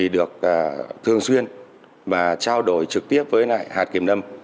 được thường xuyên và trao đổi trực tiếp với hạt kiểm lâm